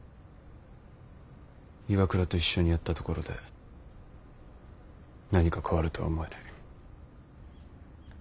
岩倉と一緒にやったところで何か変わるとは思えない。